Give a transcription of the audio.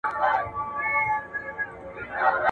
شفافه پالیسي باور جوړوي.